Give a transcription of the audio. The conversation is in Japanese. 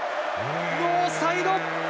ノーサイド。